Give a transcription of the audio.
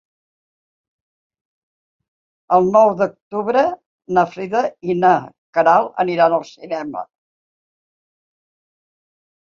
El nou d'octubre na Frida i na Queralt aniran al cinema.